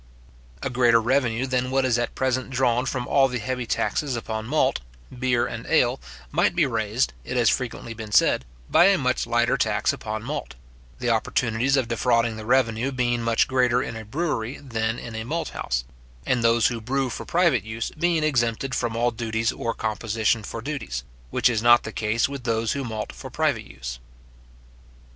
A greater revenue than what is at present drawn from all the heavy taxes upon malt, beer, and ale, might be raised, it has frequently been said, by a much lighter tax upon malt; the opportunities of defrauding the revenue being much greater in a brewery than in a malt house; and those who brew for private use being exempted from all duties or composition for duties, which is not the case with those who malt for private use.